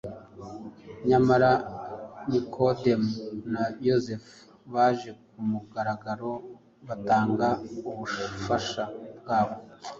nyamara Nikodemu na Yozefu baje ku mugaragaro batanga ubufasha bwabo.